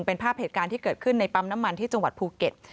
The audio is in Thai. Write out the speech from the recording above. เป็นภาพเหตุการณ์ที่เกิดขึ้นในปั๊มน้ำมันที่จังหวัดภูเก็ต